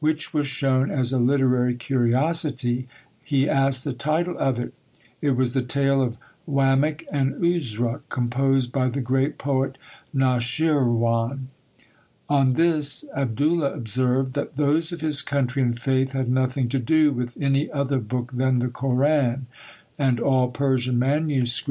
which was shown as a literary curiosity, he asked the title of it it was the tale of Wamick and Oozra, composed by the great poet Noshirwan. On this Abdoolah observed, that those of his country and faith had nothing to do with any other book than the Koran; and all Persian MSS.